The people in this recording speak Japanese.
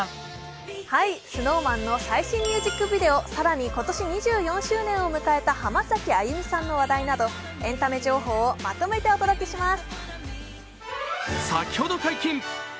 ＳｎｏｗＭａｎの最新ミュージックビデオ、更に今年、２４周年を迎えた浜崎あゆみさんの話題などエンタメ情報をまとめてお届けします。